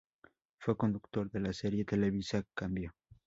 Fue conductor de la serie televisiva "Cambio".